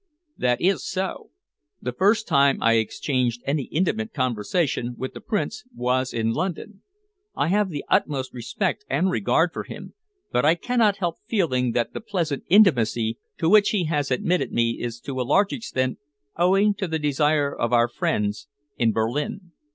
"That is so. The first time I exchanged any intimate conversation with the Prince was in London. I have the utmost respect and regard for him, but I cannot help feeling that the pleasant intimacy to which he has admitted me is to a large extent owing to the desire of our friends in Berlin.